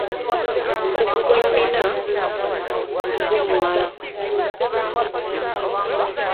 Obukugu bwe nnina bummala.